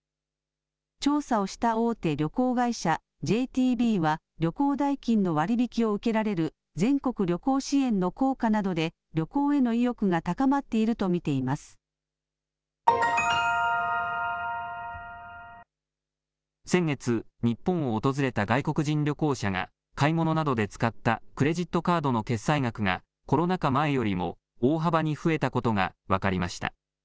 調査をした大手旅行会社、ＪＴＢは、旅行代金の割引を受けられる全国旅行支援の効果などで、旅行への先月、日本を訪れた外国人旅行者が買い物などで使ったクレジットカードの決済額が、コロナ禍前よりも大幅に増えたことが分かりました。